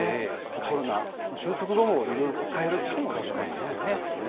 コロナ収束後もいろいろ使えるかもしれないですね。